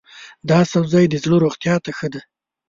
دا سبزی د زړه روغتیا ته ښه دی.